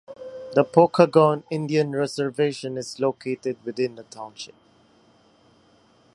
The Pokagon Indian Reservation is located within the township.